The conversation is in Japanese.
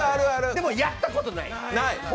でも、やったことない。